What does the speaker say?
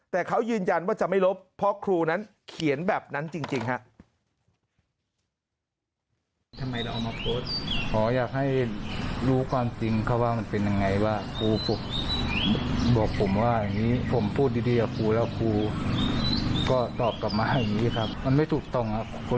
แต่เขายืนยันว่าจะไม่ลบเพราะครูนั้นเขียนแบบนั้นจริงครับ